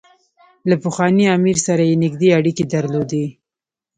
له پخواني امیر سره یې نېږدې اړیکې درلودې.